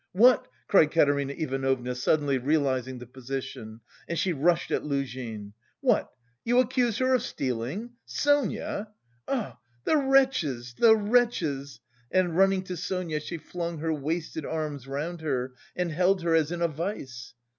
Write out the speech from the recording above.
"What!" cried Katerina Ivanovna, suddenly realising the position, and she rushed at Luzhin. "What! You accuse her of stealing? Sonia? Ah, the wretches, the wretches!" And running to Sonia she flung her wasted arms round her and held her as in a vise.